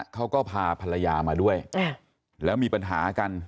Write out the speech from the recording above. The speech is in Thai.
เขาก็พาภรรยามาด้วยแล้วมีปัญหากัน